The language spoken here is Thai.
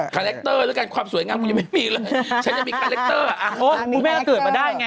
คาร์แรคเตอร์แล้วกันความสวยงามผมยังไม่มีเลยอ๋อมันไม่เขาเกิดมาได้ไง